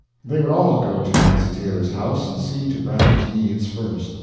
They would all go to Nancy Taylor's house and see to Brown's needs first.